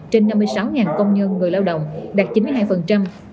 trên năm mươi sáu công nhân người lao động đạt chín mươi hai